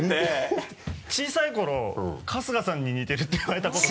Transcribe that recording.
小さい頃春日さんに似てるって言われたこと何度か。